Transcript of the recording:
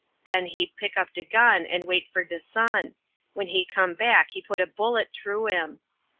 Den he pick up de gun and wait for de son; when he come back he put a bullet t'rough him.